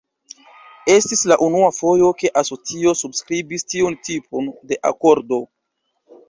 Estis la unua fojo, ke asocio subskribis tiun tipon de akordo.